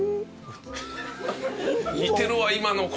似てるわ今の声。